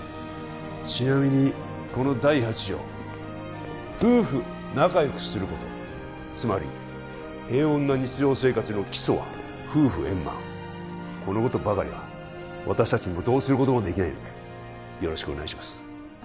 ちなみにこの第８条夫婦仲良くすることつまり平穏な日常生活の基礎は夫婦円満このことばかりは私達にもどうすることもできないのでよろしくお願いします